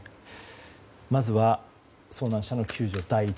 まずは遭難者の救助が第一。